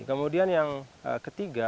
kemudian yang ketiga